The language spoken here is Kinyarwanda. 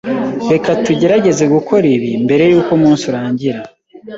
Reka tugerageze gukora ibi mbere yuko umunsi urangira.